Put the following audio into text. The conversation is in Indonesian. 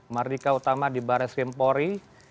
mardika utama di baris krimpori